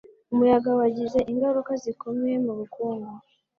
Umuyaga wagize ingaruka zikomeye mubukungu.